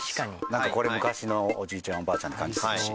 なんかこれ昔のおじいちゃんおばあちゃんって感じするし。